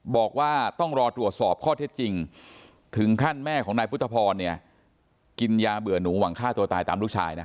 บอกว่าต้องรอตรวจสอบข้อเท็จจริงถึงขั้นแม่ของนายพุทธพรเนี่ยกินยาเบื่อหนูหวังฆ่าตัวตายตามลูกชายนะ